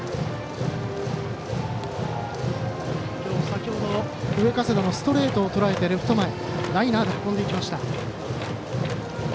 先ほど上加世田のストレートを受けてレフト前ライナーで運んでいきました。